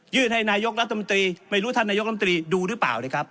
ให้นายกรัฐมนตรีไม่รู้ท่านนายกรรมตรีดูหรือเปล่านะครับ